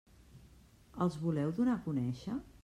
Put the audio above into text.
Els voleu donar a conèixer?